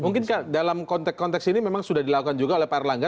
mungkin dalam konteks konteks ini memang sudah dilakukan juga oleh pak erlangga